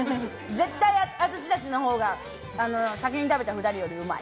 絶対、私たちのほうが先に食べた２人よりうまい。